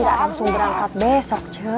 nggak langsung berangkat besok ce